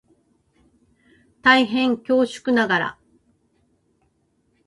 大変恐縮ながら